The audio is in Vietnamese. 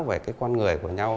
về cái con người của nhau